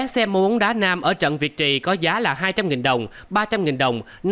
hai xe mô bóng đá nam ở trận việt trì có giá là hai trăm linh đồng ba trăm linh đồng